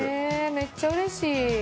めっちゃうれしい。